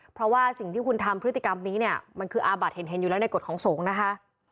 เพราะว่าสิ่งที่คุณทำพฤติกรรมนี้เนี่ยมันคืออาบัติเห็นอยู่แล้วในกฎของสงฆ์นะคะ